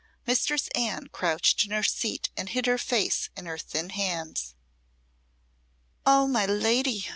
Mistress Anne crouched in her seat and hid her face in her thin hands. "Oh, my lady!"